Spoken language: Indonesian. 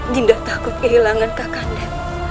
dinda takut kehilangan kak kanda